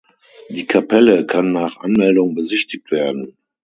Die Kapelle kann nach Anmeldung besichtigt werden.